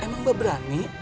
emang mbak berani